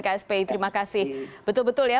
kspi terima kasih betul betul ya